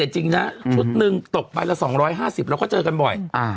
จริงนะชุดหนึ่งตกใบละ๒๕๐เราก็เจอกันบ่อย